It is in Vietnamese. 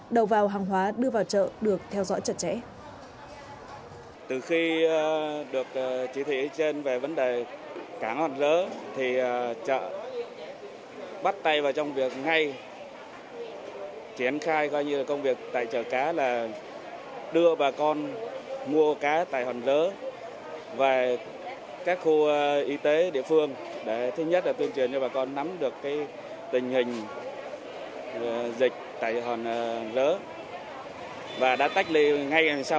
đầu vào hàng hóa đưa vào chợ được theo dõi chật chẽ